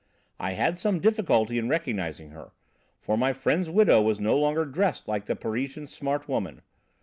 I had some difficulty in recognising her, for my friend's widow was no longer dressed like the Parisian smart woman.